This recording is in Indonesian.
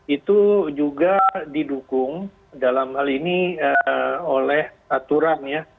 itu juga didukung dalam hal ini oleh aturan ya